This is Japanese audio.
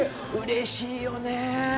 うれしいよね。